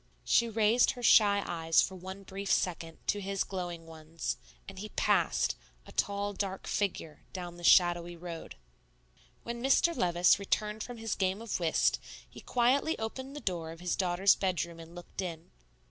She raised her shy eyes for one brief second to his glowing ones; and he passed, a tall, dark figure, down the shadowy road. When Mr. Levice returned from his game of whist, he quietly opened the door of his daughter's bedroom and looked in.